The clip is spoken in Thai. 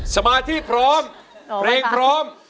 สมาธิพร้อมเพลงพร้อม